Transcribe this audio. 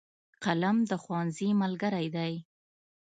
قلم د ښوونځي ملګری دی.